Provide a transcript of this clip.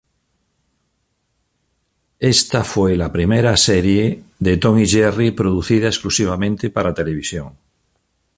Esta fue la primera serie de Tom y Jerry producida exclusivamente para televisión.